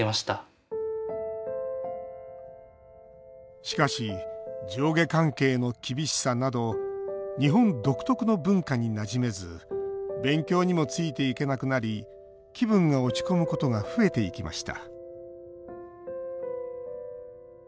しかし、上下関係の厳しさなど日本独特の文化になじめず勉強にもついていけなくなり気分が落ち込むことが増えていきました